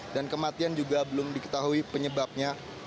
dan kematian juga belum diketahui penyebabnya